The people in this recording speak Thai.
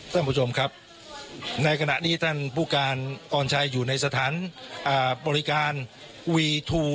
ท่านผู้ชมครับในขณะนี้ท่านผู้การออนชัยอยู่ในสถานบริการวีทู